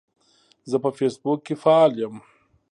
زه په فیسبوک کې فعال یم.